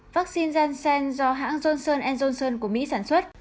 vaccine janssen do hãng johnson johnson của mỹ sản xuất